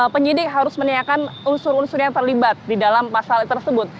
penyidik harus menanyakan unsur unsur yang terlibat di dalam pasal tersebut